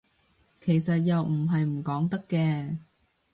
其實又唔係唔講得嘅